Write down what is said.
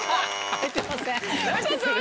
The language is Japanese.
入ってません。